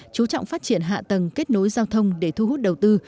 chú trọng phát triển hạ tầng kết nối giao thông để thu hút đầu tư